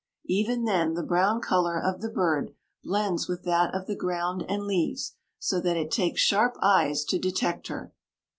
Even then, the brown color of the bird blends with that of the ground and leaves, so that it takes sharp eyes to detect her.